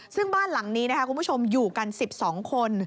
ซึ่งบ้านหลังนี้นะคะคุณผู้ชมอยู่กัน๑๒คน